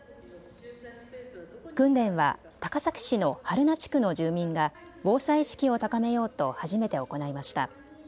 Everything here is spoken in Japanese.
訓練は高崎市の榛名地区の住民が防災意識を高めようと初めて行いました。